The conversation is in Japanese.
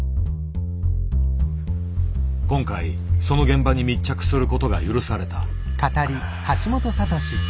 今回その現場に密着することが許された。